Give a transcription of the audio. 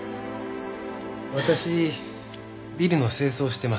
私ビルの清掃をしてます。